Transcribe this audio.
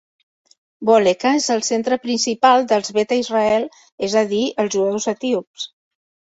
Wolleka és el centre principal dels Beta Israel, és adir, els jueus etíops.